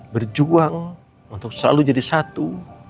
berjuang untuk selalu jadi satu